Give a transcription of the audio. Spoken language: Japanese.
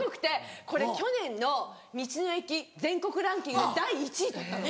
これ去年の道の駅全国ランキングで第１位取ったの。